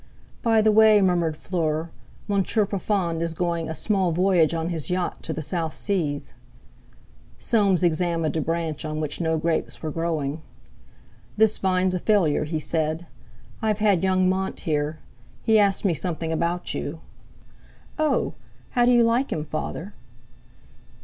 "By the way," murmured Fleur, "Monsieur Profond is going a 'small' voyage on his yacht, to the South Seas." Soames examined a branch on which no grapes were growing. "This vine's a failure," he said. "I've had young Mont here. He asked me something about you." "Oh! How do you like him, Father?"